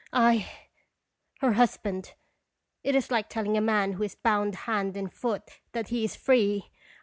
"7 her husband! It is like telling a man who is bound hand and foot that he is free